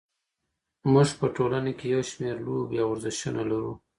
موږ په ټولنه کې یو شمېر لوبې او ورزشونه لرو.